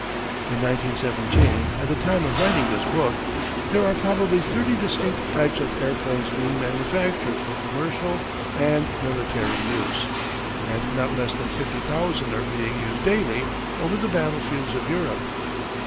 In 1917, at the time of writing this book, there are probably thirty distinct types of airplanes being manufactured for commercial and military use, and not less than fifty thousand are being used daily over the battlefields of Europe.